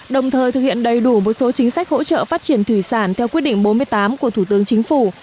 đồng thời thực hiện đầy đủ một số chính sách hỗ trợ phát triển thủy sản theo quyết định bốn mươi tám của thủ tướng chính phủ